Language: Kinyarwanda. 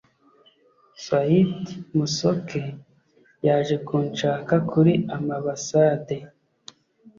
swaib musoke yaje kunshaka kuri amabasade.